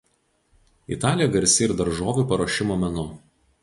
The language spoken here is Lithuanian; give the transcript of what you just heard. Italija garsi ir daržovių paruošimo menu.